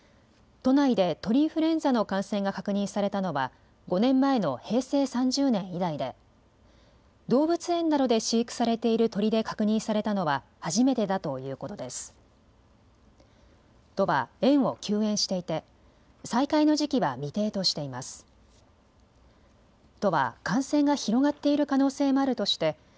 都内で鳥インフルエンザの感染が確認されたのは５年前の平成３０年以来で動物園などで飼育されている鳥で確認されたのは初めてだということです。